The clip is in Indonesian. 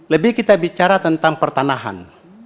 lebih kita bicara tentang pertanahan